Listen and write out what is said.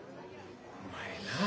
お前なあ。